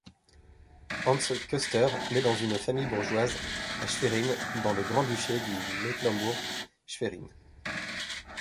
Hans Koester naît dans une famille bourgeoise à Schwerin dans le grand-duché du Mecklembourg-Schwerin.